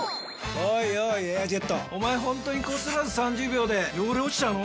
おいおい「エアジェット」おまえホントにこすらず３０秒で汚れ落ちちゃうの？